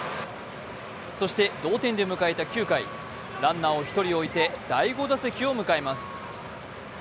そして、同点で迎えた９回、ランナーを１人置いて第５打席を迎えます。